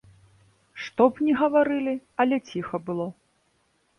Што б ні гаварылі, але ціха было.